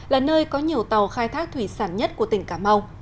là nơi có nhiều tàu khai thác thủy sản nhất của tỉnh cà mau